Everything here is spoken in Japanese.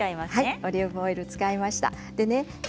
オリーブオイルを使いました。